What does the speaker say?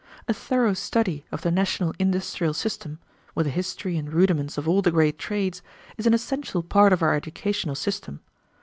A thorough study of the National industrial system, with the history and rudiments of all the great trades, is an essential part of our educational system.